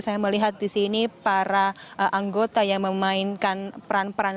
jadi saya melihat di sini para anggota yang memainkan peran peran